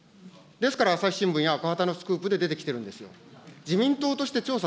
ですから、朝日新聞や赤旗のスクープで出てきてるんです。